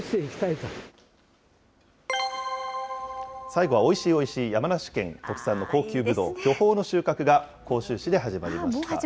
最後はおいしいおいしい、山梨県特産の高級ぶどう、巨峰の収穫が、甲州市で始まりました。